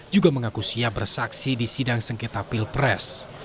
juga mengaku siap bersaksi di sidang sengketa pilpres